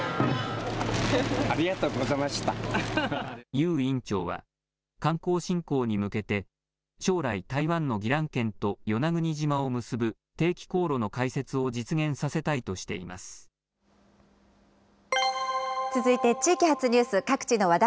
游院長は、観光振興に向けて、将来、台湾の宜蘭県と与那国島を結ぶ定期航路の開設を実現させたいとし続いて地域発ニュース。